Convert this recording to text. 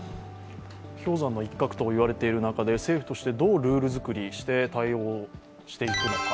氷山の一角と言われている中で、政府としてはどうルール作りして対応していくのか。